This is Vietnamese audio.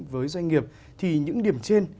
với doanh nghiệp thì những điểm trên